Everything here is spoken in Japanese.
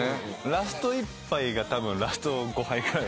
ラスト一杯がたぶんラスト５杯くらい。